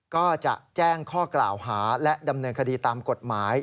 ก็จะแจ้งข้อกล่าวหาและดำเนินคดีตามกฎหมาย